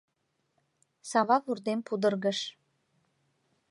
Сава вурдем пудыргыш.